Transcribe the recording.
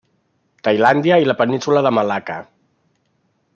Tailàndia i la península de Malacca.